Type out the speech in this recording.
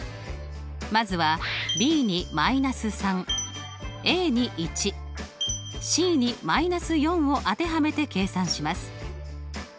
まずはｂに−３に１ｃに−４を当てはめて計算します。